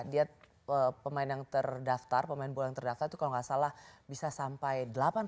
dia pemain yang terdaftar pemain bola yang terdaftar itu kalau nggak salah bisa sampai delapan puluh